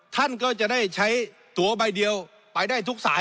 ท่านก็จะได้ใช้ตัวใบเดียวไปได้ทุกสาย